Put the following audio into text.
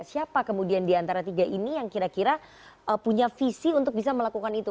siapa kemudian diantara tiga ini yang kira kira punya visi untuk bisa melakukan itu